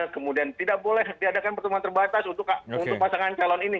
kemudian tidak boleh diadakan pertemuan terbatas untuk pasangan calon ini